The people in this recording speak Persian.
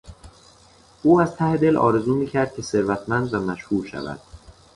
او از ته دل آرزو می کرد که ثروتمند و مشهور شود.